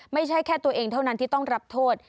ไม่ใช่แค่ตัวเองเท่านั้นที่ต้องรับโทษ